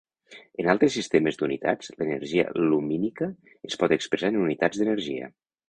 En altres sistemes d'unitats, l'energia lumínica es pot expressar en unitats d'energia.